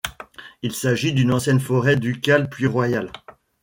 Il s'agit d'une ancienne forêt ducale puis royale.